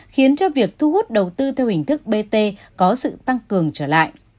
khiến cho việc thu hút đầu tư theo hình thức bt có sự tăng cường trở lại